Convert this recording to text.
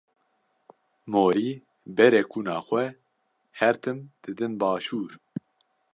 Morî berê kuna xwe her tim didin başûr.